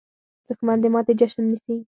دښمن د ماتې جشن نیسي